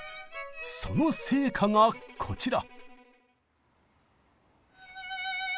その成果がこちら！